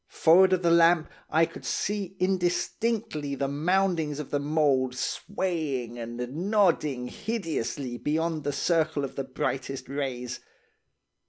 Forrard of the lamp, I could see indistinctly the moundings of the mould swaying and nodding hideously beyond the circle of the brightest rays.